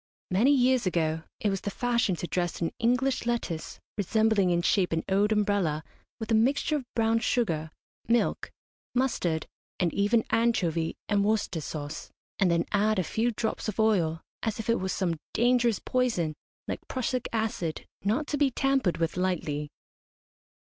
Many years ago it was the fashion to dress an English lettuce, resembling in shape an old umbrella, with a mixture of brown sugar, milk, mustard, and even anchovy and Worcester sauce, and then add a few drops of oil, as if it were some dangerous poison, like prussic acid, not to be tampered with lightly.